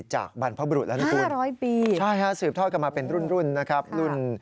บรรพบุรุษแล้วนะคุณร้อยปีใช่ฮะสืบทอดกันมาเป็นรุ่นนะครับรุ่น